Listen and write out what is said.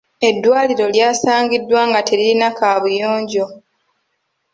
Eddwaliro lyasangiddwa nga teririna kaabuyonjo.